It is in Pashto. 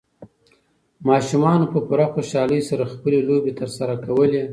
ماشومانو په پوره خوشالۍ سره خپلې لوبې ترسره کولې.